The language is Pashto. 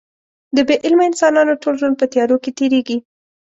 د بې علمه انسانانو ټول ژوند په تیارو کې تېرېږي.